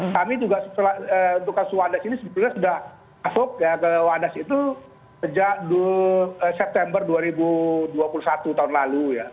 kami juga untuk kasus wadas ini sebenarnya sudah masuk ke wadas itu sejak september dua ribu dua puluh satu tahun lalu ya